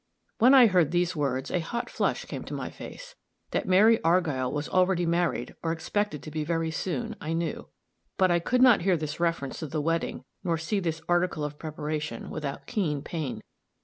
When I heard these words, a hot flush came to my face. That Mary Argyll was already married, or expected to be very soon, I knew; but I could not hear this reference to the wedding, nor see this article of preparation, without keen pain.